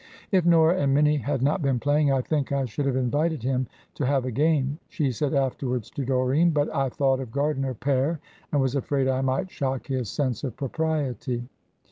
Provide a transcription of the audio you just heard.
"If Nora and Minnie had not been playing, I think I should have invited him to have a game," she said afterwards to Doreen; "but I thought of Gardiner père, and was afraid I might shock his sense of propriety."